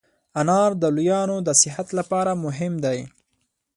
انار د لویانو د صحت لپاره مهم دی.